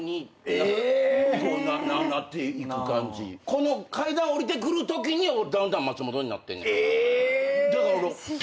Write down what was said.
この階段下りてくるときにダウンタウン松本になってんねん。